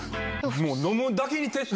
もう。